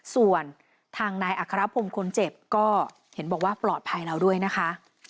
ส่วนทางนายอัครพงศ์คนเจ็บก็เห็นบอกว่าปลอดภัยแล้วด้วยนะคะ